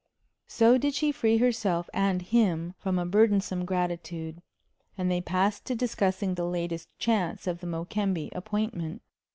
So did she free herself and him from a burdensome gratitude; and they passed to discussing the latest chances of the Mokembe appointment.